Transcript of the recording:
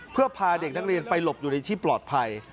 เพื่อพาเด็กนักเรียนไปหลบอยู่ในที่ปลอดภัย